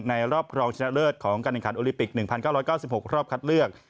ในรอบรองชนะเลิศของการแห่งขันโอลิปิกหนึ่งพันเก้าร้อยเก้าสิบหกรอบคัดเลือก